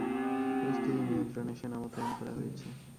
পরিস্থিতি নিয়ন্ত্রণে সেনা মোতায়েন করা হয়েছে।